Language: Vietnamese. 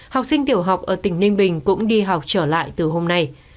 học sinh tiểu học ở tỉnh ninh bình cũng đi học trở lại từ hôm nay